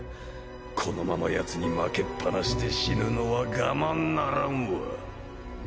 このままヤツに負けっぱなしで死ぬのは我慢ならんわ。